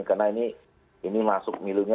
karena ini masuk milihnya